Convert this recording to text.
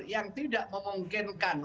yang tidak memungkinkan